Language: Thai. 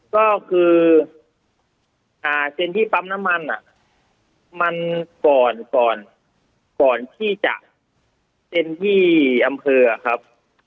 ก็คือเซ็นที่ปั๊มน้ำมันมันก่อนก่อนที่จะเซ็นที่อำเภอครับ